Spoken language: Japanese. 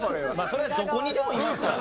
それはどこにでもいますから。